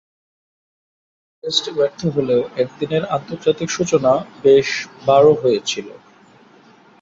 টেস্টে ব্যর্থ হলেও একদিনের আন্তর্জাতিকের সূচনা বেশ বারো হয়েছিল।